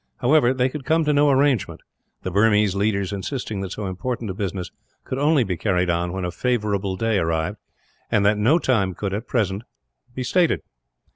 However, they could come to no arrangement, the Burmese leaders insisting that so important a business could only be carried on when a favourable day arrived; and that no time could, at present, be stated.